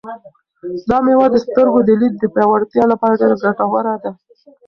دا مېوه د سترګو د لید د پیاوړتیا لپاره ډېره ګټوره ده.